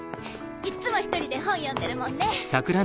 いっつも１人で本読んでるもんね。